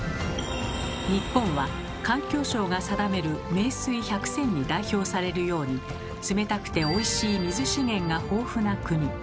日本は環境省が定める「名水百選」に代表されるように冷たくておいしい水資源が豊富な国。